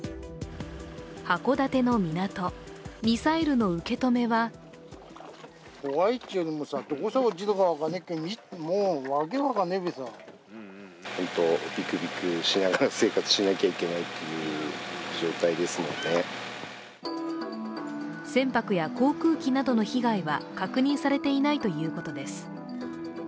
函館の港、ミサイルの受け止めは船舶や航空機などの被害は確認されていないということです。